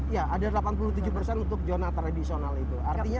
ya ada delapan puluh tujuh persen untuk zona tradisional itu